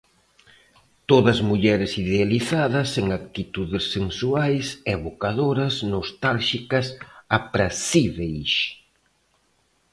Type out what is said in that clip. Todas mulleres idealizadas, en actitudes sensuais, evocadoras, nostálxicas, apracíbeis.